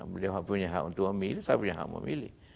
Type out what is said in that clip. beliau punya hak untuk memilih saya punya hak memilih